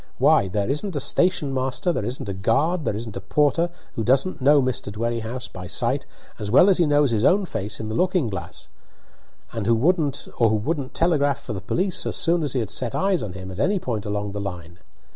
Why, there isn't a station master, there isn't guard, there isn't a porter, who doesn't know Mr. Dwerrihouse by sight as well as he knows his own face in the looking glass, or who wouldn't telegraph for the police as soon as he had set eyes on him at any point along the line.